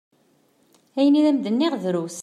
Ayen i am-d-nniɣ drus.